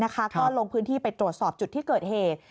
ก็ลงพื้นที่ไปตรวจสอบจุดที่เกิดเหตุ